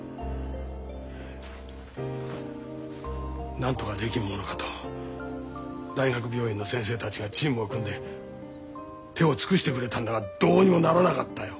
なんとかできんものかと大学病院の先生たちがチームを組んで手を尽くしてくれたんだがどうにもならなかったよ。